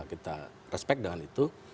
kita respect dengan itu